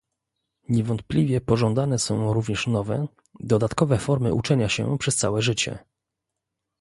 Niewątpliwie pożądane są również nowe, dodatkowe formy uczenia się przez całe życie